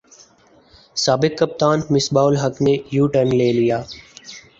سابق کپتان مصباح الحق نے یوٹرن لے لیا